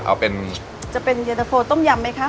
เอาเป็นจะเป็นเย็นตะโฟต้มยำไหมคะ